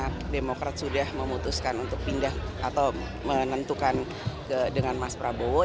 karena demokrat sudah memutuskan untuk pindah atau menentukan dengan mas prabowo